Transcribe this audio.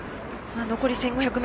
残り１５００ｍ